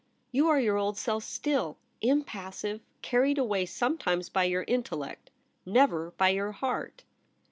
You are your old self still — im passive — carried away sometimes by your intellect — never by your heart.'